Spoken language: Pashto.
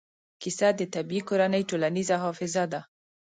کیسه د طبعي کورنۍ ټولنیزه حافظه ده.